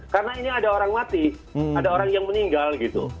karena ini ada orang mati ada orang yang meninggal